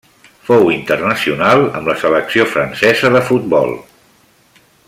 Fou internacional amb la selecció francesa de futbol.